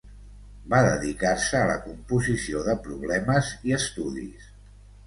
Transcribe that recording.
Va dedicar-se a la composició de problemes i estudis.